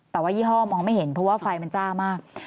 แต่ว่ายี่ห้อมองไม่เห็นเพราะว่าไฟมันจ้ามาก